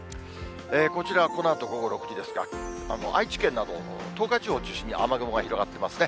こちら、このあと午後６時ですが、愛知県など、東海地方を中心に雨雲が広がってますね。